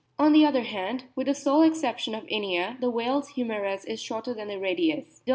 On the other hand, with the sole exception of Inia, the whale's humerus is shorter than the radius. Dr.